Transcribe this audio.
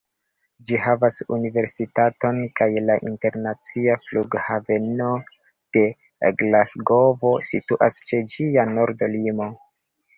Ĝi havas universitaton, kaj la internacia flughaveno de Glasgovo situas ĉe ĝia norda limo.